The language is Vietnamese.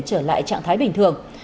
trở lại trạng thái bình thường